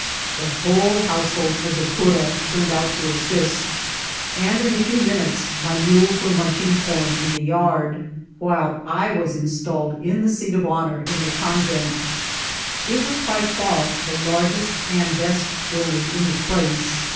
The iidiole househcdd of the cura turned out to asssst, and in a few minutes the mules were munching com in CURA OF 18QUIPVLAS. lITf the yard, while I was installed in the seat of honour in the convent. It was by faor the largest and best build* ing in the place.